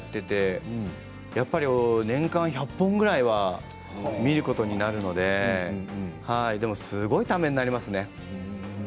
２０年ぐらいやっていて年間１００本ぐらいは見ることになるのででもすごいためになりますね。